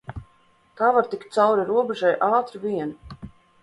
Tā var tikt cauri robežai ātri vien.